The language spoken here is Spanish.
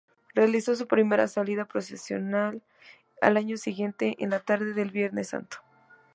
Realizó su primera salida procesional al año siguiente, en la tarde del Viernes Santo.